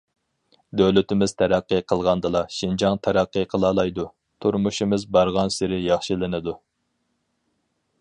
دۆلىتىمىز تەرەققىي قىلغاندىلا، شىنجاڭ تەرەققىي قىلالايدۇ، تۇرمۇشىمىز بارغانسېرى ياخشىلىنىدۇ.